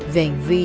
về hành vi